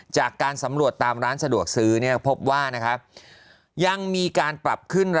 จากการสำรวจตามร้านสะดวกซื้อเนี่ยพบว่านะคะ